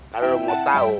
kalau lo mau tau